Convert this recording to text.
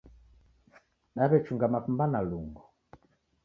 Daw'echunga mapemba na lungo